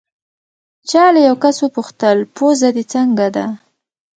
چا له یو کس وپوښتل: پوزه دې څنګه ده؟